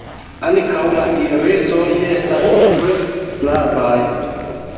Ankaŭ la irisoj estas tre flavaj.